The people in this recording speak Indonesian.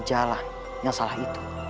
jalan yang salah itu